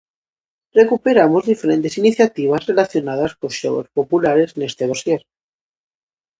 Recuperamos diferentes iniciativas relacionadas cos xogos populares neste dosier.